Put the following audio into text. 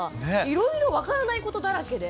いろいろ分からないことだらけで。